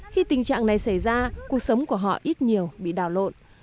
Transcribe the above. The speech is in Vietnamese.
khi tình trạng này xảy ra cuộc sống của họ ít nhiều bị đảo lộn